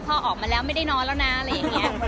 ออกมาแล้วไม่ได้นอนแล้วนะอะไรอย่างนี้